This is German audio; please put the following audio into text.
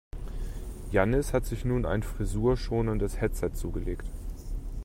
Jannis hat sich nun ein frisurschonendes Headset zugelegt.